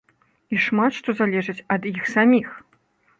І шмат што залежыць ад іх саміх.